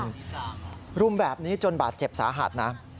รุมแบบนี้จนบาดเจ็บสาหัสนะ